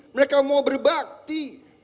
mereka mau berbakti